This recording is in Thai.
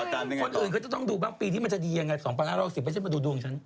คนอื่นก็จะต้องดูบ้างปีนี้มันจะดียังไง๒๕๖๐ไม่ใช่มาดูดวงฉัน